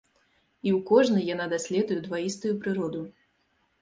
І ў кожнай яна даследуе дваістую прыроду.